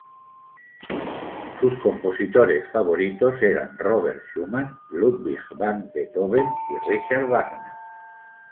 Sus compositores favoritos eran Robert Schumann, Ludwig van Beethoven y Richard Wagner.